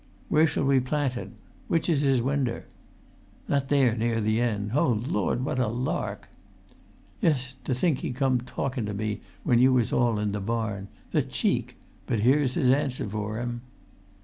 [Pg 206]"Where shall we plant ut? Which is his winder?" "That there near the end. O Lord, what a lark!" "Yes—to think he come talkun to me while you was all in the barn. The cheek! But here's his answer for him."